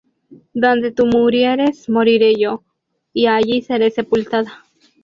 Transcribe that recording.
Donde tú murieres, moriré yo, y allí seré sepultada: